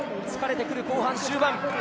疲れてくる後半終盤。